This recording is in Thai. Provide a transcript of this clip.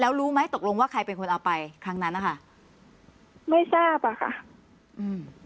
แล้วรู้ไหมตกลงว่าใครเป็นคนเอาไปครั้งนั้นนะคะไม่ทราบอ่ะค่ะอืม